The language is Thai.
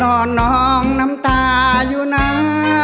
นอนนองน้ำตาอยู่นะ